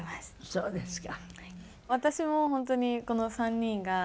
そうですか。